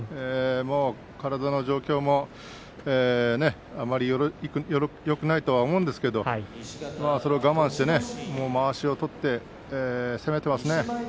体の状況もあまりよくないと思うんですがそれを我慢して、まわしを取って攻めていますね。